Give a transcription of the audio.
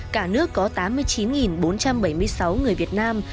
cả nước có tám mươi chín bốn trăm bảy mươi sáu người việt nam